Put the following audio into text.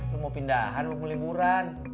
lo mau pindahan mau peliburan